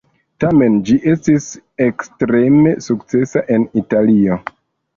Tamen, ĝi estis ekstreme sukcesa en Italio.